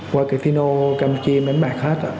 qua cái phino cam chim đánh bạc hết